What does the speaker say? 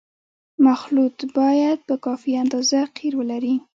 مخلوط باید په کافي اندازه قیر ولري